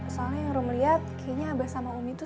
soalnya yang rum liat kayaknya abah sama umi tuh